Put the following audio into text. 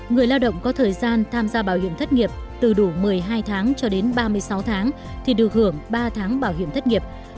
người lao động có thời gian tham gia bảo hiểm thất nghiệp từ đủ một mươi hai tháng cho đến ba mươi sáu tháng thì được hưởng ba tháng bảo hiểm thất nghiệp